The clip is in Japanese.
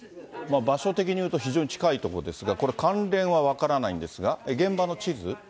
場所的に言うと、非常に近い所ですが、これ、関連は分からないんですが、現場の地図？